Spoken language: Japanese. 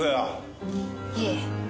いえ。